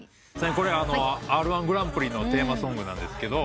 これはＲ−１グランプリのテーマソングなんですけど。